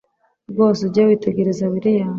rwose ujye witegereza william